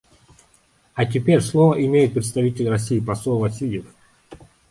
А теперь слово имеет представитель России посол Васильев.